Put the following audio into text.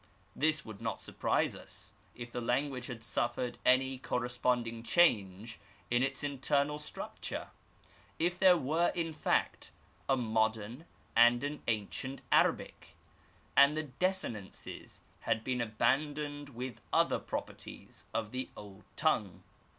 This would not surprise us if the language had suffered any corresponding change in its internal structure — if there were, in fact, a modern and an ancient Arabic, and th e^ deslnence& ^had been abandoned with other pro perties of the old tongue.